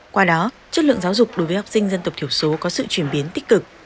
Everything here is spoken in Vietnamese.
qua đó chất lượng giáo dục đối với học sinh dân tộc thiểu số có sự chuyển biến tích cực